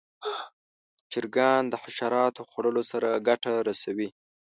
چرګان د حشراتو خوړلو سره ګټه رسوي.